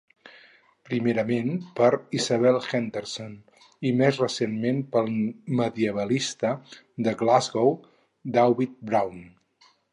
Primerament per Isabel Henderson, i més recentment pel medievalista de Glasgow, Dauvit Broun.